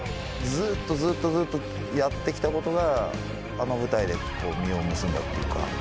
ずっとずっとずっとやってきたことがあの舞台で実を結んだというか。